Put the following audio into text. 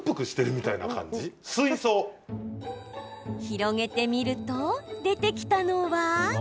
広げてみると出てきたのは。